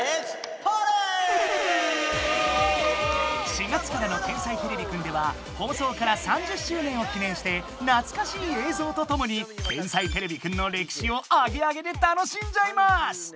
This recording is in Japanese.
４月からの「天才てれびくん」では放送から３０周年を記念してなつかしい映像とともに「天才てれびくん」のれきしをアゲアゲで楽しんじゃいます！